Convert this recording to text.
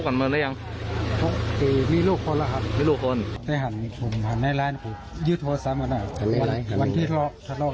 เนี่ยอันนี้เค้าอ้างว่า